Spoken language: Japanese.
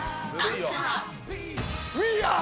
ウィーアー！。